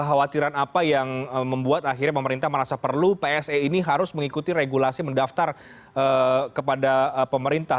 kekhawatiran apa yang membuat akhirnya pemerintah merasa perlu pse ini harus mengikuti regulasi mendaftar kepada pemerintah